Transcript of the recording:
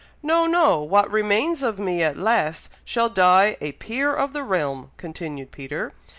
"No! No! What remains of me at last shall die a Peer of the realm," continued Peter.